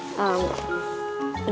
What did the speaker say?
undangan bokap gue